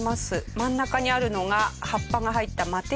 真ん中にあるのが葉っぱが入ったマテ茶のカップ。